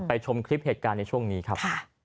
ชมคลิปเหตุการณ์ในช่วงนี้ครับ